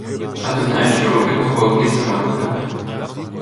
А ти знаєш, що робить народ із зрадниками?